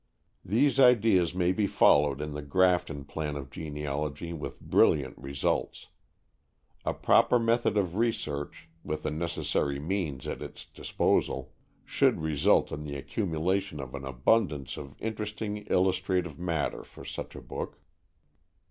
These ideas may be followed in the Grafton plan of genealogy with brilliant results. A proper method of research, with the necessary means at its disposal, should result in the accumulation of an abundance of interesting illustrative matter for such a book.